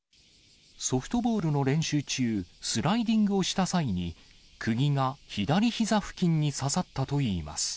ソフトボールの練習中、スライディングをした際に、くぎが左ひざ付近に刺さったといいます。